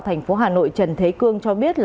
tp hà nội trần thế cương cho biết